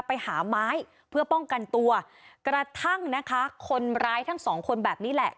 ไปหาไม้เพื่อป้องกันตัวกระทั่งนะคะคนร้ายทั้งสองคนแบบนี้แหละ